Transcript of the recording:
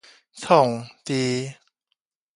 創治